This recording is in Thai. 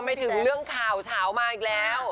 รวมไปถึงเรื่องข่าวมาอีกแล้ว